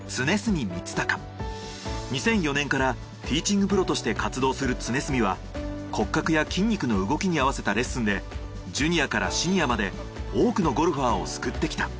２００４年からティーチングプロとして活動する常住は骨格や筋肉の動きに合わせたレッスンでジュニアからシニアまで多くのゴルファーを救ってきた。